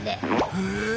へえ。